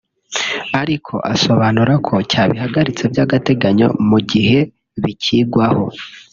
ariko asobanura ko cyabihagaritse by’agateganyo mu gihe bikigwaho